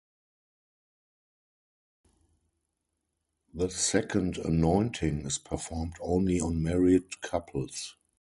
The second anointing is performed only on married couples.